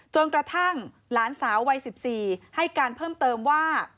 จนกระทั่งหลานสาววัย๑๔ให้การเพิ่มเติมว่า